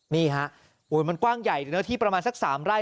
นี่ฮะมันกว้างใหญ่เนื้อที่ประมาณสัก๓ไร่